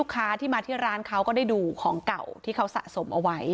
ครับ